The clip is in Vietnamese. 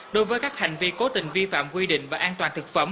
đối với các hành vi cố tình vi phạm quy định và an toàn thực phẩm